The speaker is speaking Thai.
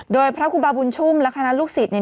โดยพระครูบาบุญชุ่มและคณะลูกศิษย์เนี่ย